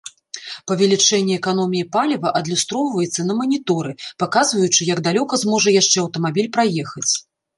Павелічэнне эканоміі паліва адлюстроўваецца на маніторы, паказваючы, як далёка зможа яшчэ аўтамабіль праехаць.